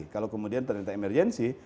kalau kemudian ternyata emergency